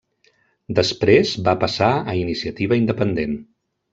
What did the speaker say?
Després va passar a Iniciativa Independent.